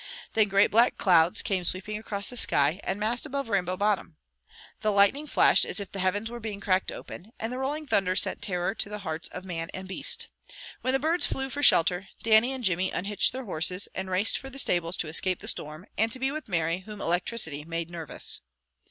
Then great black clouds came sweeping across the sky, and massed above Rainbow Bottom. The lightning flashed as if the heavens were being cracked open, and the rolling thunder sent terror to the hearts of man and beast. When the birds flew for shelter, Dannie and Jimmy unhitched their horses, and raced for the stables to escape the storm, and to be with Mary, whom electricity made nervous.